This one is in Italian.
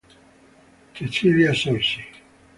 Cecilia Zorzi